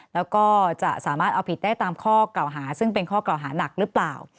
แล้วก็จะสามารถเอาผิดได้ตามข้อเก่าหาซึ่งเป็นข้อกล่าวหานักหรือเปล่า